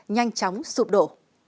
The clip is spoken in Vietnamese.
nhanh chóng sụp đổ